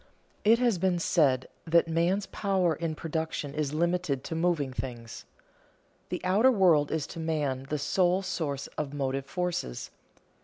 _ It has been said that man's power in production is limited to moving things. The outer world is to man the sole source of motive forces.